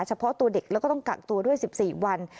เฉพาะตัวเด็กแล้วก็ต้องกักตัวด้วย๑๔วัน